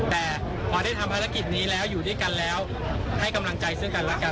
แต่พอได้ทำภารกิจนี้แล้วอยู่ด้วยกันแล้วให้กำลังใจซึ่งกันแล้วกัน